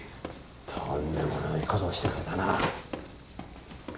とんでもないことをしてくれたな。